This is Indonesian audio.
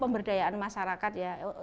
pemberdayaan masyarakat ya